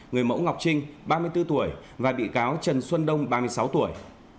người mẫu ngọc trinh ba mươi bốn tuổi và bị cáo trần xuân đông ba mươi sáu tuổi